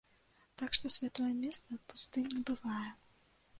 Так што святое месца пустым не бывае.